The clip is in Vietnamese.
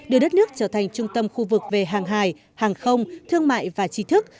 đưa đất nước trở thành trung tâm khu vực về hàng hài hàng không thương mại và trí thức